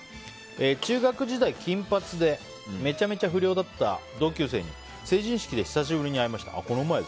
中学時代金髪でめちゃめちゃ不良だった同級生に成人式で久しぶりに会いました。